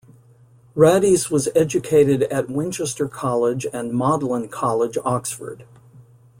Radice was educated at Winchester College and Magdalen College, Oxford.